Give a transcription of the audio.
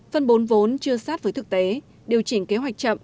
phân bốn vốn chưa sát với thực tế điều chỉnh kế hoạch chậm